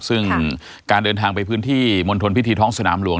ซึ่งการเดินทางไปพื้นที่มณฑลพิธีท้องสนามหลวง